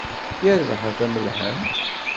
Yerbeḥ a tamelḥant.